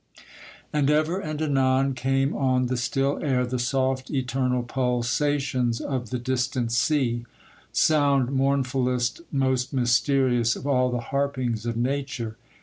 And ever and anon came on the still air the soft, eternal pulsations of the distant sea,—sound mournfullest, most mysterious, of all the harpings of Nature.